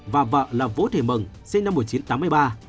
và vợ là vũ thị mừng sinh năm một nghìn chín trăm tám mươi ba